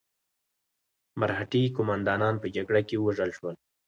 مرهټي قوماندانان په جګړه کې ووژل شول.